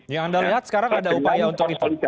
yang anda lihat sekarang ada upaya untuk itu